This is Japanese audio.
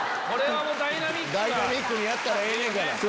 ダイナミックにやったらええねんから。